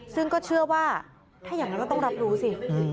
ซึ่งก็เชื่อว่าถ้าอย่างนั้นก็ต้องรับรู้สิ